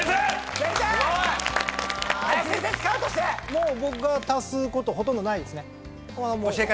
もう僕が足すことほとんどないですね。